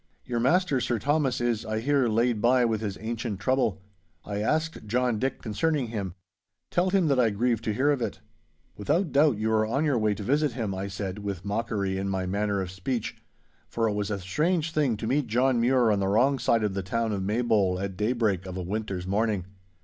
'Your master Sir Thomas, is, I hear, laid by with his ancient trouble. I asked John Dick concerning him. Tell him that I grieve to hear of it.' 'Without doubt, you were on your way to visit him,' I said, with mockery in my manner of speech, for it was a strange thing to meet John Mure on the wrong side of the town of Maybole at daybreak of a winter's morning.